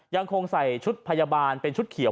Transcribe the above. ยังคงใส่ชุดพยาบาลเป็นชุดเขียว